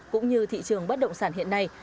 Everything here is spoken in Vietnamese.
cũng như thị trường bất động sản hiện nay